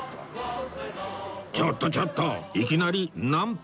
ちょっとちょっといきなりナンパ？